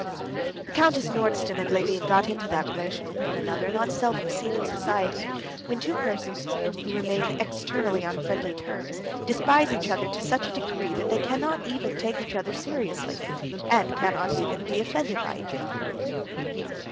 The Countess Nordston and Levin got into that relation with one another not seldom seen in society, when two persons, who remain externally on friendly terms, despise each other to such a degree that they cannot even take each other seriously, and cannot even be offended by each other.